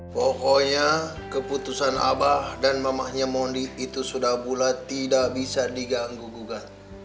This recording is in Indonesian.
pokoknya keputusan abah dan mamahnya mondi itu sudah bulat tidak bisa diganggu gugat